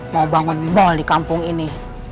mau bangun mal di kampung ini